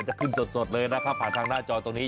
จะขึ้นสดเลยนะครับผ่านทางหน้าจอตรงนี้